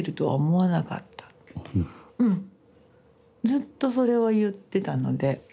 ずっとそれは言ってたので。